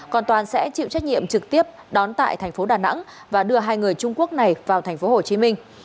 còn toàn sẽ chịu trách nhiệm trực tiếp đón tại thành phố đà nẵng và đưa hai người trung quốc này vào thành phố hồ chí minh